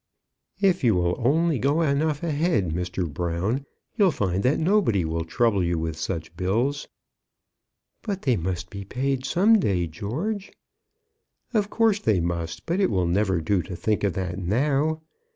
"If you will only go enough ahead, Mr. Brown, you'll find that nobody will trouble you with such bills." "But they must be paid some day, George." "Of course they must; but it will never do to think of that now.